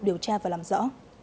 điều tra và làm rõ